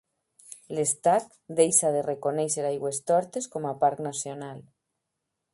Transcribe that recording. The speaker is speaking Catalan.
L'Estat deixa de reconèixer Aigüestortes com a parc nacional.